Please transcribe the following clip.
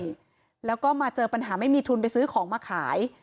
ใช่แล้วก็มาเจอปัญหาไม่มีทุนไปซื้อของมาขาย